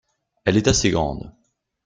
Elle est assez grande.